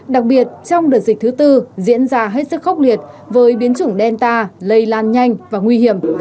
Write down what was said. đặc biệt trong đợt dịch thứ tư diễn ra hết sức khốc liệt với biến chủng delta lây lan nhanh và nguy hiểm